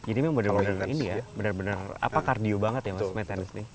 jadi bukan ini ya bener bener apa kardio banget ya mas main tenis ini